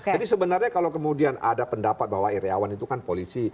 sebenarnya kalau kemudian ada pendapat bahwa iryawan itu kan polisi